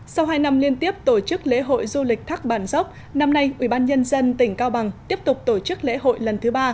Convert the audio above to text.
sau hai năm liên tiếp tổ chức lễ hội du lịch thác bản dốc năm nay ubnd tỉnh cao bằng tiếp tục tổ chức lễ hội lần thứ ba